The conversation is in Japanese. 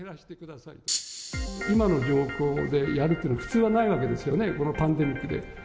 今の状況でやるというのは普通はないわけですよね、このパンデミックで。